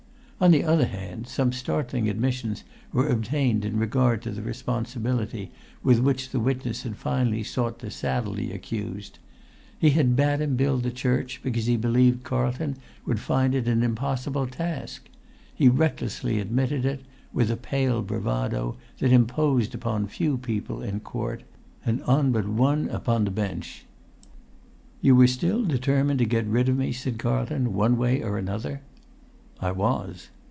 On the other hand, some startling admissions were obtained in regard to the responsibility with which the witness had finally sought to saddle the accused; he had bade him build the church because he believed Carlton would find it an impossible task; he recklessly admitted it, with a pale bravado that imposed upon few people in court, and on but one upon the bench. "You were still determined to get rid of me," said Carlton, "one way or another?" "I was."